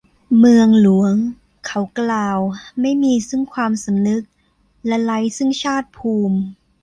เมืองหลวง เขากล่าว ไม่มีซึ่งความสำนึกและไร้ซึ่งชาติภูมิ